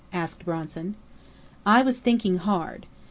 asked Bronson. I was thinking hard.